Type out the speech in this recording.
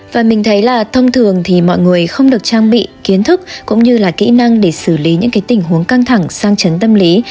và mình thấy là thông thường thì mọi người không được trang bị kiến thức cũng như là kỹ năng để xử lý những tình huống căng thẳng sang chấn tâm lý